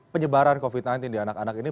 penyebaran covid sembilan belas di anak anak ini